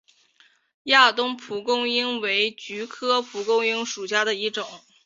亚东蒲公英为菊科蒲公英属下的一个种。